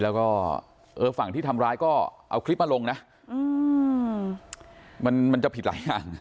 แล้วก็ฝั่งที่ทำร้ายก็เอาคลิปมาลงนะมันจะผิดหลายอย่าง